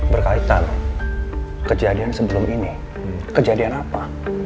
berkaitan kejadian sebelum ini kejadian apa